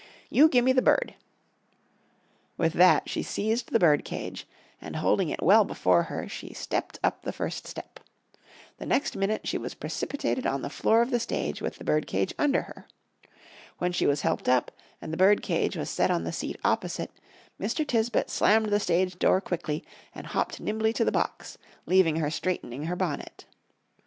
"You gimme the bird;" with that she seized the bird cage, and holding it well before her, she stepped up the first step. The next minute she was precipitated on the floor of the stage, with the birdcage under her. When she was helped up, and the bird cage was set on the seat opposite, Mr. Tisbett slammed to the stage door quickly, and hopped nimbly to the box, leaving her straightening her bonnet.